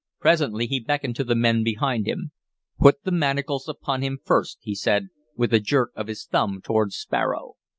Presently he beckoned to the men behind him. "Put the manacles upon him first," he said, with a jerk of his thumb toward Sparrow.